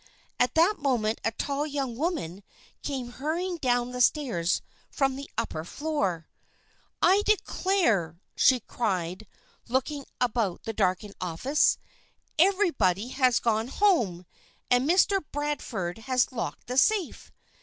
At that moment a tall young woman came hurrying down the stairs from the upper floor. "I declare!" she cried, looking about the darkened office. "Everybody has gone home! And Mr. Bradford has locked the safe!